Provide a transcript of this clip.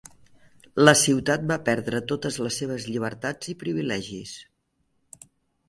La ciutat va perdre totes les seves llibertats i privilegis.